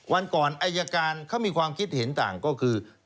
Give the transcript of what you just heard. วันก่อนอายการเขามีความคิดเห็นต่างก็คือ